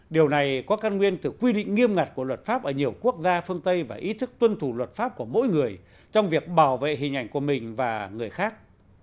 điều này có căn nguyên từ quy định nghiêm ngặt của luật pháp ở nhiều quốc gia phương tây và ý thức tuân thủ luật pháp của mỗi người trong việc bảo vệ hình ảnh của mình và người khác